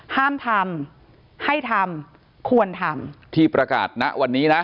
ห้ามทำให้ทำควรทำที่ประกาศณวันนี้นะ